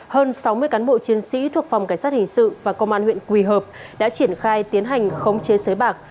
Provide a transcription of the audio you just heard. hơn sáu mươi cán bộ chiến sĩ thuộc phòng cảnh sát hình sự và công an huyện quỳ hợp đã triển khai tiến hành khống chế sới bạc